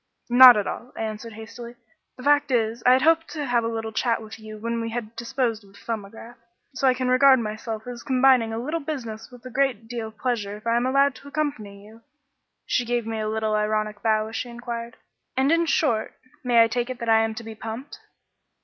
"Not at all," I answered hastily. "The fact is, I had hoped to have a little chat with you when we had disposed of the 'Thumbograph,' so I can regard myself as combining a little business with a great deal of pleasure if I am allowed to accompany you." She gave me a little ironical bow as she inquired "And, in short, I may take it that I am to be pumped?"